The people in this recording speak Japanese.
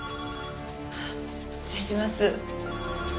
失礼します。